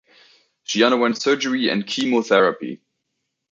She underwent surgery and chemotherapy.